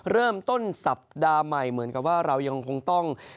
เริ่มต้นสัปดาห์ใหม่เหมือนกับว่าเรายังคงต้อง